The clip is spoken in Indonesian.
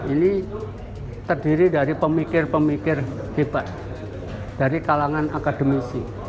ini terdiri dari pemikir pemikir hebat dari kalangan akademisi